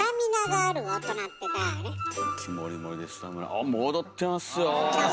あっもう踊ってますよ。